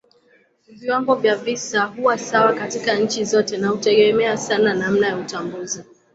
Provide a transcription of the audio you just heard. Viwango vya visa huwa sawa katika nchi zote na hutegemea sana namna ya utambuzi.